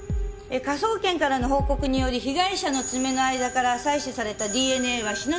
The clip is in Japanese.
科捜研からの報告により被害者の爪の間から採取されたＤＮＡは篠崎善信と一致。